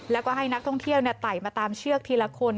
แล้วก็ให้นักท่องเที่ยวไต่มาตามเชือกทีละคน